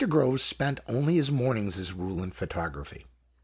Groves spent only his mornings, as a. rule, in photography.